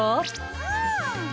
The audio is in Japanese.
うん！